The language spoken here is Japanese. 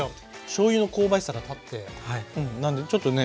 しょうゆの香ばしさが立ってなんでちょっとね